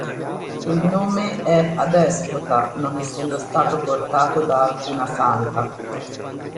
Il nome è adespota, non essendo stato portato da alcuna santa.